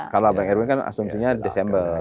kalau bang erwin kan asumsinya desember